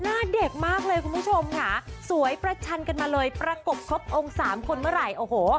หน้าเด็กมากเลยคุณผู้ชมค่ะสวยประชันกันมาเลยประกบครบองค์สามคนเมื่อไหร่โอ้โห